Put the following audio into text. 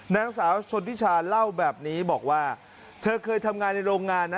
นางสาวชนทิชาเล่าแบบนี้บอกว่าเธอเคยทำงานในโรงงานนะ